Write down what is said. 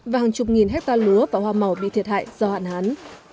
và hàng chục nghìn hectare lúa và hoa màu bị thiệt hại do hạn hán